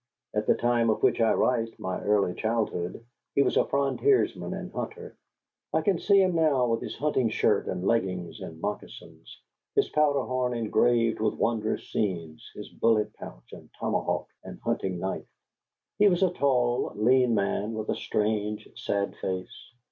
At the time of which I write, my early childhood, he was a frontiersman and hunter. I can see him now, with his hunting shirt and leggings and moccasins; his powder horn, engraved with wondrous scenes; his bullet pouch and tomahawk and hunting knife. He was a tall, lean man with a strange, sad face.